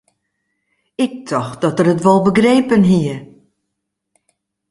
Ik tocht dat er it wol begrepen hie.